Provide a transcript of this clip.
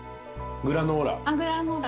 グラノーラ。